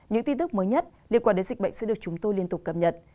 những tin tức mới nhất liên quan đến dịch bệnh sẽ được chúng tôi liên tục cập nhật